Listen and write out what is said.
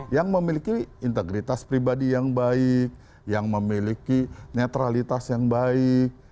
yang memiliki integritas pribadi yang baik yang memiliki netralitas yang baik